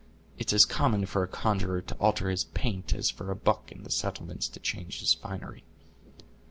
It's as common for a conjurer to alter his paint as for a buck in the settlements to change his finery."